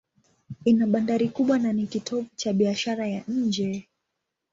Ina bandari kubwa na ni kitovu cha biashara ya nje.